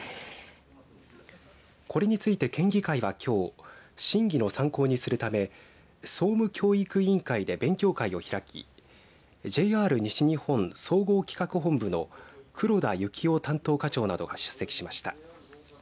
これについて県議会はきょう審議の参考にするため総務教育委員会で勉強会を開きＪＲ西日本総合企画本部の黒田幸生担当課長などが出席しました。